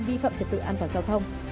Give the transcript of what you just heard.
vi phạm trật tự an toàn giao thông